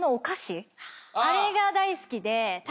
あれが大好きで。